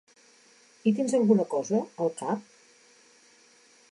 Hi tens alguna cosa, al cap?